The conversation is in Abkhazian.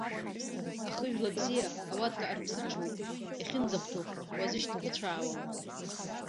Ахыжәла бзиа ауатка арԥсыҽуеит иахьынӡахәҭоу уазышьҭкәыцәаауам.